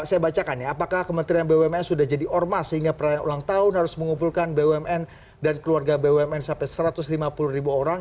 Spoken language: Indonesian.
saya bacakan ya apakah kementerian bumn sudah jadi ormas sehingga perayaan ulang tahun harus mengumpulkan bumn dan keluarga bumn sampai satu ratus lima puluh ribu orang